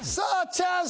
チャンス